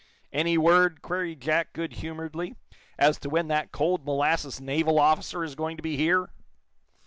"Any word," queried Jack, good humoredly, "as to when that cold molasses naval officer is going to be here!"